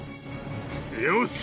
よし！